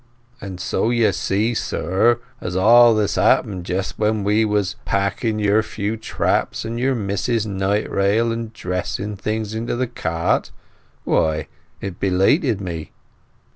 And so you see, sir, as all this happened just when we was packing your few traps and your Mis'ess's night rail and dressing things into the cart, why, it belated me."